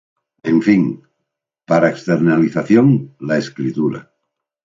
En fin, para externalización, la escritura.